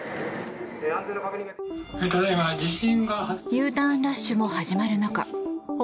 Ｕターンラッシュも始まる中北